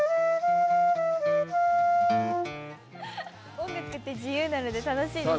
音楽って自由なので楽しいですね。